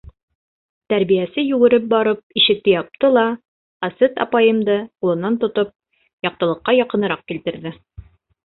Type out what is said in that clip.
Тәрбиәсе йүгереп барып ишекте япты ла Асет апайымды ҡулынан тотоп яҡтылыҡҡа яҡыныраҡ килтерҙе.